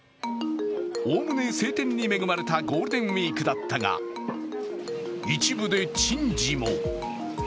おおむね晴天に恵まれたゴールデンウイークだったが一部で珍事も。